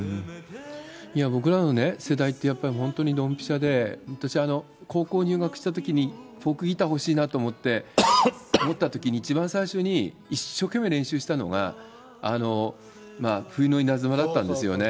いや、僕らの世代っていうのは本当にドンピシャで、私、高校入学したときに、フォークギター欲しいなと思って、思ったときに一番最初に、一生懸命練習したのが、冬の稲妻だったんですよね。